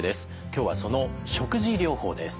今日はその食事療法です。